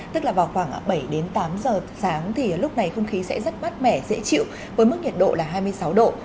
tức là vào khoảng bảy đến tám giờ sáng thì lúc này không khí sẽ rất mát mẻ dễ chịu với mức nhiệt độ là hai mươi sáu độ